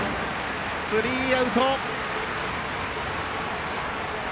スリーアウト。